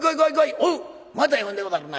「おっまた呼んでござるな。